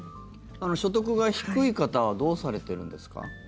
所得が低い方はどうされているんですか？